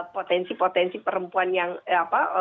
potensi potensi perempuan yang apa